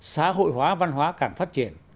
xã hội hóa văn hóa càng phát triển